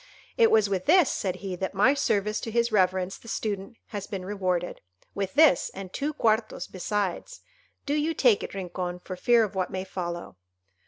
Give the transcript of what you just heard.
"It was with this," said he, "that my service to his reverence the Student has been rewarded—with this and two quartos besides. Do you take it, Rincon, for fear of what may follow."